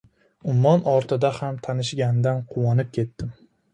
Ummon ortida ham tanishganidan quvonib ketdim.